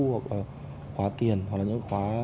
hoặc là khóa tiền hoặc là những khóa